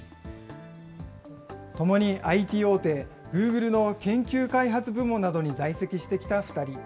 ともにＩＴ大手、Ｇｏｏｇｌｅの研究開発部門などに在籍してきた２人。